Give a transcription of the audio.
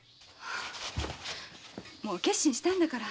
もう決心したんだから。